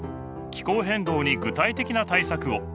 気候変動に具体的な対策を。